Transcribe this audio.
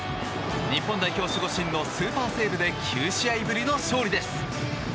日本代表守護神のスーパーセーブで９試合ぶりの勝利です。